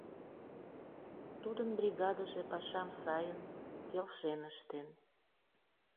Тудын бригадыже пашам сайын, келшен ыштен.